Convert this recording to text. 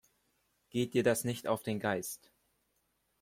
Geht dir das nicht auf den Geist?